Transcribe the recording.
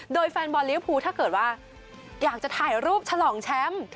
โดยแฟนบอลลิวภูถ้าเกิดว่าอยากจะถ่ายรูปฉลองแชมป์